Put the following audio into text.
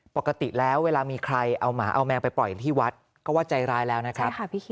ปกติแล้วเวลามีใครเอาหมาเอาแมวไปปล่อยที่วัดก็ว่าใจร้ายแล้วนะครับ